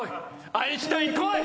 アインシュタインこい！